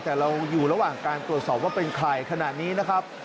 แต่เราอยู่ระหว่างการตรวจสอบว่าเป็นใครขณะนี้นะครับ